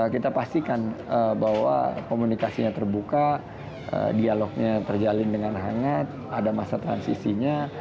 kita pastikan bahwa komunikasinya terbuka dialognya terjalin dengan hangat ada masa transisinya